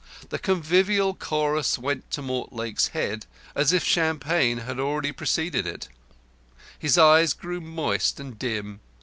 The convivial chorus went to Mortlake's head, as if champagne had really preceded it. His eyes grew moist and dim.